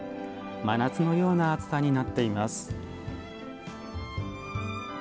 真夏のような暑さになっています。